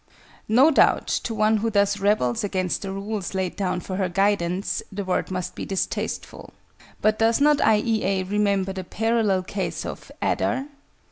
No doubt, to one who thus rebels against the rules laid down for her guidance, the word must be distasteful. But does not I. E. A. remember the parallel case of "adder"?